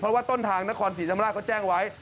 เพราะว่าต้นทางนครศรีธรรมราชเขาแจ้งไว้